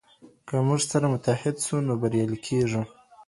که موږ سره متحد سو نو بريالي کيږو.